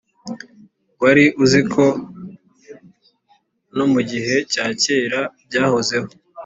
wari uzi ko no mu gihe cya kera byahozeho